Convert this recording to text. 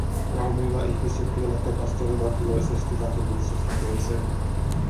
Aamulla ihmiset vielä tepastelivat iloisesti rakennuksesta toiseen.